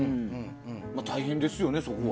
大変ですよね、そこは。